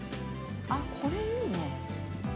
あこれいいね！